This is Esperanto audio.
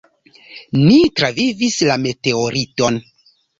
"Ni travivis la meteoriton."